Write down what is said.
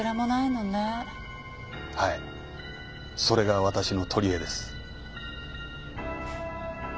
それが私の取り柄です。